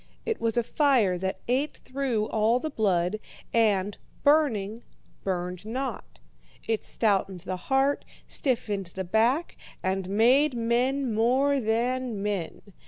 It was a fire that ate through all the blood, and, burning, burned not. It stoutened the heart, stiffened the back, and made men more than men.